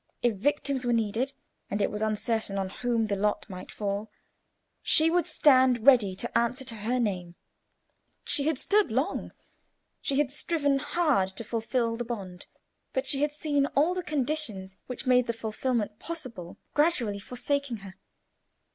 If victims were needed, and it was uncertain on whom the lot might fall, she would stand ready to answer to her name. She had stood long; she had striven hard to fulfil the bond, but she had seen all the conditions which made the fulfilment possible gradually forsaking her.